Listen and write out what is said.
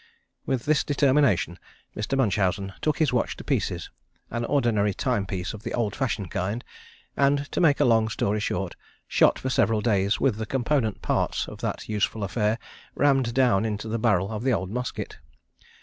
With this determination, Mr. Munchausen took his watch to pieces, an ordinary time piece of the old fashioned kind, and, to make a long story short, shot for several days with the component parts of that useful affair rammed down into the barrel of the old musket.